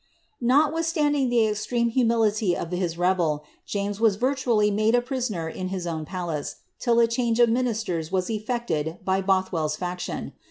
Notwithstanding the extreme humility of his rebel, James was vir tually made a prisoner in his own palace, till a change of ministers was effected by BothwelPs faction.